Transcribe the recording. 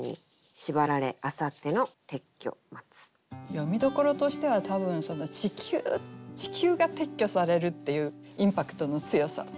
読みどころとしては多分「ちきゅう」が撤去されるっていうインパクトの強さ。